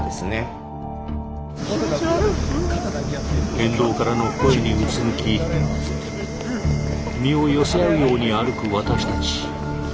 沿道からの声にうつむき身を寄せ合うように歩く私たち。